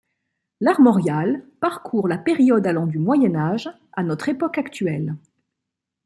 L'armorial parcourt la période allant du Moyen Âge à notre époque actuelle.